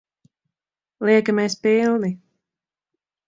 Liekamies pilni.